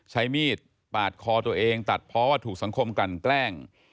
ใช้มีดปาดคอตัวเองตัดเพราะว่าถูกสังคมกลั่นแกล้ง